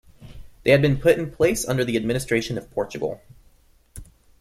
They had been put in place under the administration of Portugal.